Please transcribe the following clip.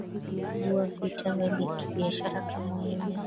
bua vita vya kibiashara kama ile